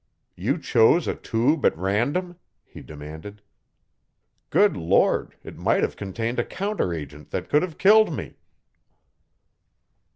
"You chose a tube at random?" he demanded. "Good Lord, it might have contained a counteragent that could have killed me!"